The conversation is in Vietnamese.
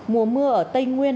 mùa mưa ở tây nguyên